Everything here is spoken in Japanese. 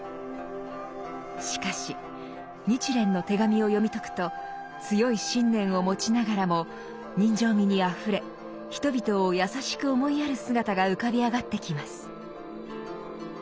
しかし「日蓮の手紙」を読み解くと強い信念を持ちながらも人情味にあふれ人々を優しく思いやる姿が浮かび上がってきます。